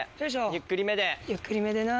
ゆっくりめでな。